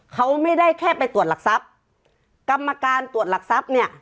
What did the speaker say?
เขาไม่ได้แค่ไปตรวจหลักทรัพย์กรรมการตรวจหลักทรัพย์เนี่ย